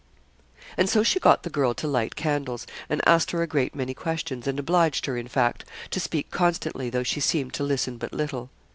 And so she got the girl to light candles, and asked her a great many questions, and obliged her, in fact, to speak constantly though she seemed to listen but little.